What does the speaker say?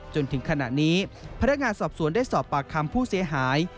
จนถึงขณะนี้พนักงานสอบสวนได้สอบปากคำผู้เสียหาย